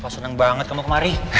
seneng banget kamu kemari